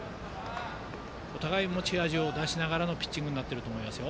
お互い持ち味を出しながらのピッチングになっていますよ。